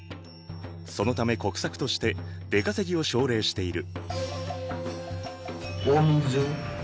そのため国策として出稼ぎを奨励している。